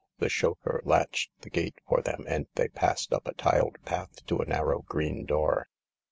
The chauffeur unlatched the gate for them, and they passed up a tiled path to a narrow green door.